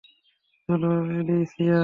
চলো, অ্যালিসিয়া।